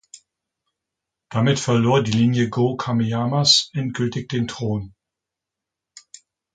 Damit verlor die Linie Go-Kameyamas endgültig den Thron.